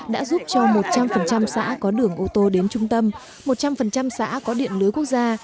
đã giúp cho một trăm linh xã có đường ô tô đến trung tâm một trăm linh xã có điện lưới quốc gia